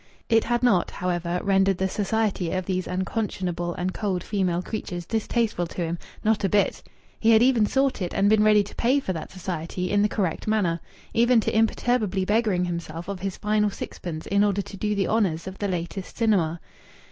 It had not, however, rendered the society of these unconscionable and cold female creatures distasteful to him. Not a bit! He had even sought it and been ready to pay for that society in the correct manner even to imperturbably beggaring himself of his final sixpence in order to do the honours of the latest cinema.